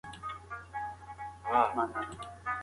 ايا مارکوپولو چين ته تللی و؟